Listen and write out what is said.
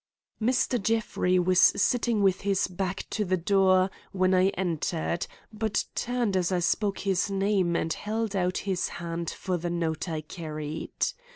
Mr. Jeffrey was sitting with his back to the door when I entered, but turned as I spoke his name and held out his hand for the note I carried.